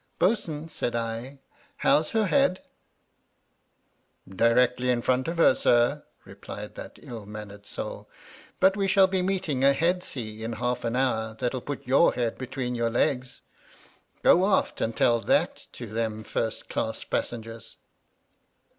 "Bo'sun," said I, "how's her head r "Direckly in front of her, sir," replied that ill mannered soul, "but we shall be meetin' a head sea in half an hour that'll put your head IT! atween of your legs. Go aft an' tell that to tliem first dass passengers."